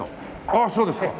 あそうですか。